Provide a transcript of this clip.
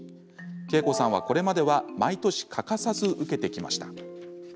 けいこさんは、これまでは毎年、欠かさず受けてきました。